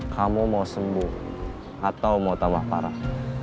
kamu mau sembuh atau mau tambah parah